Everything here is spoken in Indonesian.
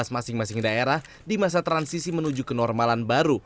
masing masing daerah di masa transisi menuju kenormalan baru